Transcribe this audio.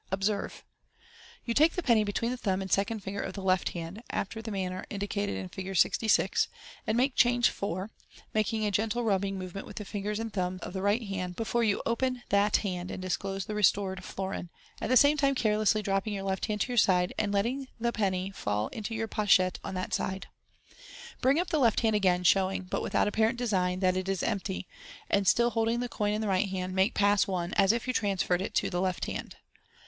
Observe ! n You take the penny between the thumb and second finger of the left hand (after the manner indicated in Fig. 66), and make Change 4, making a gentle rubbing movement with the fingers and thumb of the right hand before you open that hand and disclose the restored florin, at the same time carelessly dropping your left hand to your side, and letting fall the penny into your pochette on that side. Bring up the left hand again, showing, but without apparent design, that it is empty j and still holding the coin in the right hand, make Pass 1, as if you trans ferred it to the left hand.